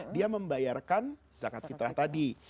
dia membayarkan zakat fitrah tadi